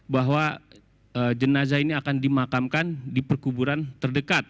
bahwa jenazah ini akan dimakamkan di perkuburan terdekat